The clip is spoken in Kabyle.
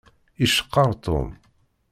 Iceqqeṛ Tom.